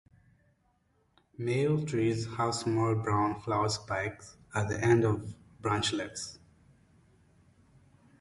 Male trees have small brown flower spikes at the end of branchlets.